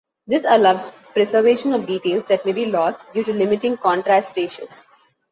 This allows preservation of details that may be lost due to limiting contrast ratios.